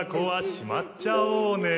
しまっちゃおうね。